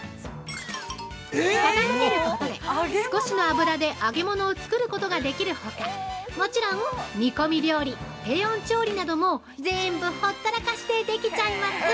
◆傾けることで、少しの油で揚げものを作ることができるほか、もちろん煮込み料理、低温調理などもぜーんぶほったらかしでできちゃいます！